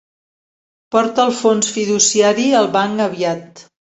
Porta el fons fiduciari al banc aviat.